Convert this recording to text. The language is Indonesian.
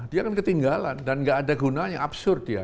dia akan ketinggalan dan nggak ada gunanya absurd dia